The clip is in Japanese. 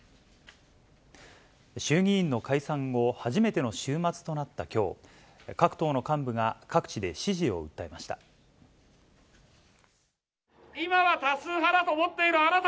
衆議院の解散後、初めての週末となったきょう、各党の幹部が各地で支持を訴えました。